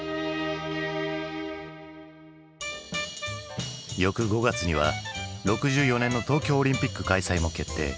翌５月には６４年の東京オリンピック開催も決定。